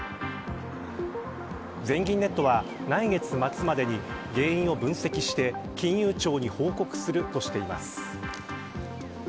全銀ネットは、来月末までに原因を分析して金融庁に報告するとしています。